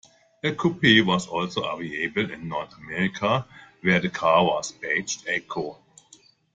A coupe was also available in North America where the car was badged "Echo".